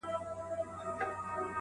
ما د ایپي فقیر اورغوي کي کتلې اشنا،